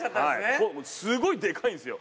はいすごいでかいんですよ。